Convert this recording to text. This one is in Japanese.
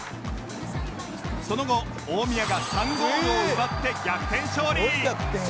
その後大宮が３ゴールを奪って逆転勝利！